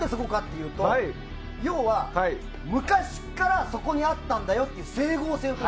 何でそこかというと要は昔からそこにあったんだよっていう整合性。